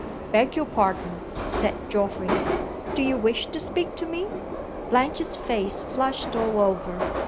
"Beg your pardon," said Geoffrey. "Do you wish to speak to me?" Blanche's face flushed all over.